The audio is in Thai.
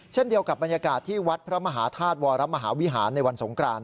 เช่นเดียวกับบรรยากาศที่วัดพระมหาธาตุวรมหาวิหารในวันสงกราน